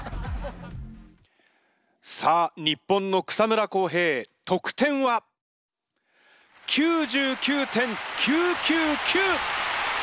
さあ日本の草村航平得点は？９９．９９９！